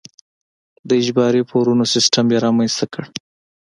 د اجباري پورونو سیستم یې رامنځته کړ.